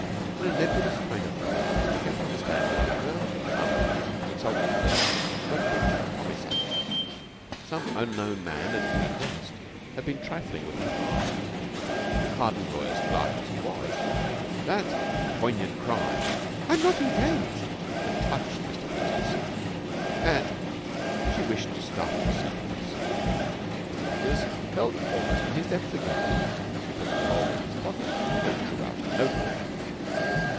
In a nebulous kind of way he began to understand that the girl had come to consult the firm about a breach of promise action. Some unknown man at Ealing West had been trifling with her heart hardened lawyer's clerk as he was, that poignant cry "I'm not engaged!" had touched Mr. Peters and she wished to start proceedings. Mr. Peters felt almost in his depth again. He put the revolver in his pocket, and drew out a note book.